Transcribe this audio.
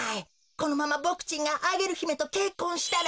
このままボクちんがアゲルひめとけっこんしたら。